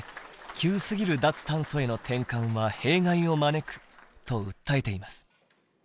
「急すぎる脱炭素への転換は弊害を招く」と訴えています。